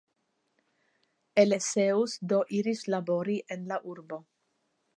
Eleseus do iris labori en la urbo.